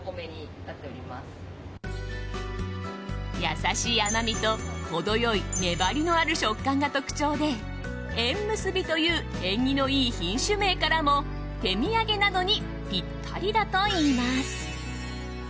優しい甘みと程良い粘りのある食感が特徴で縁結びという縁起のいい品種名からも手土産などにぴったりだといいます。